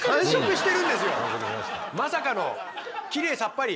まさかのきれいさっぱり！